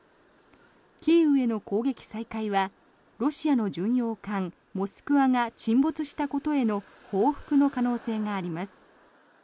キーウへの攻撃再開はロシアの巡洋艦「モスクワ」が沈没したことへの報復の可能性があります。